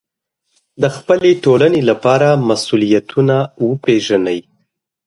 د خپلې ټولنې لپاره مسوولیتونه وپېژنئ.